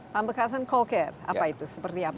pamekasan call care apa itu seperti apa